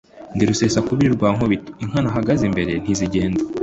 ndirusesankubiri rwa nkubito inka nahagaze imbere ntizigenda